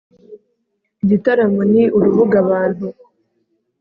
igitaramo ni urubuga abantu